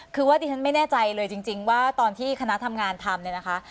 คือว่าดิฉันไม่แน่ใจเลยจริงว่าตอนที่คณะทำงานทำเนี่ยนะคะ